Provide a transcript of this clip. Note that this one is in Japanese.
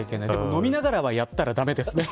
飲みながらはやったら駄目ですね。